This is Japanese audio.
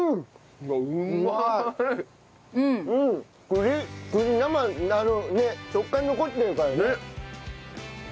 栗食感残ってるからね。